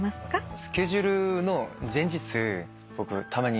スケジュールの前日僕たまに